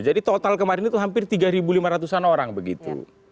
jadi total kemarin itu hampir tiga lima ratus an orang begitu